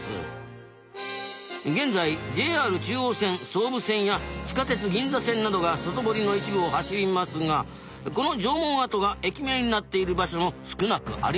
現在ＪＲ中央線総武線や地下鉄銀座線などが外堀の一部を走りますがこの城門跡が駅名になっている場所も少なくありません。